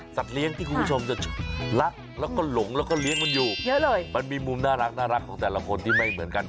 เลี้ยงที่คุณผู้ชมจะรักแล้วก็หลงแล้วก็เลี้ยงมันอยู่เยอะเลยมันมีมุมน่ารักของแต่ละคนที่ไม่เหมือนกัน